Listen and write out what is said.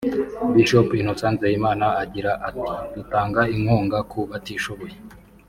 Bishop Innocent Nzeyimana agira ati “Dutanga inkunga ku batishoboye